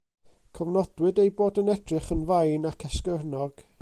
Cofnodwyd ei bod yn edrych yn fain ac esgyrnog.